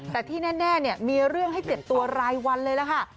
แต่ที่แน่มีเรื่องให้เจ็บตัวรายวันเลยล่ะค่ะ